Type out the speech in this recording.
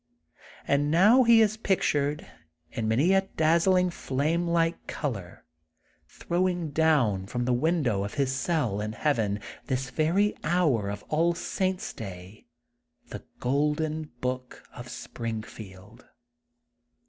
And now he is pictured, in many a dazzling flame like color, throwing down from the window of his cell in heaven, this very hour of All Saint's Day, The Golden Book of Springfield.